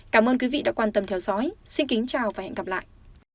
cảm ơn quý vị đã quan tâm theo dõi xin kính chào và hẹn gặp lại